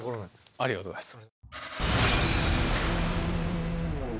ありがとうございます。